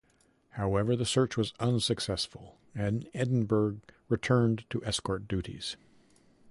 However, the search was unsuccessful, and "Edinburgh" returned to escort duties.